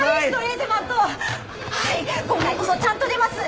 今回こそちゃんと出ます。